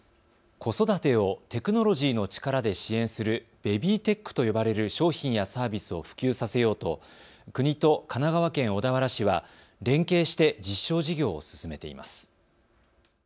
子育てをテクノロジーの力で支援するベビーテックと呼ばれる商品やサービスを普及させようと国と神奈川県小田原市は連携して実証事業を進めています。